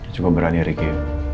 coba berani riki